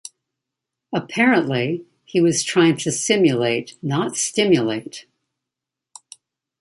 Apparently, he was trying to simulate not stimulate!